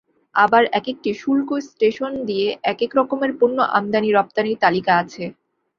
আবার একেকটি শুল্ক স্টেশন দিয়ে একেক রকমের পণ্য আমদানি-রপ্তানির তালিকা আছে।